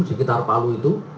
sekitar palu itu